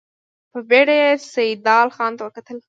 په بېړه يې سيدال خان ته وکتل.